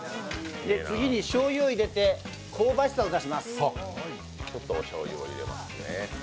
次にしょうゆを入れて香ばしさを出します。